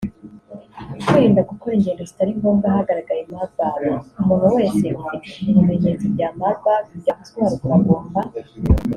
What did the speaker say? Kwirinda gukora ingendo zitari ngombwa ahagaragaye Marburg; Umuntu wese ufite ibimenyetso bya Marburg byavuzwe haruguru agomba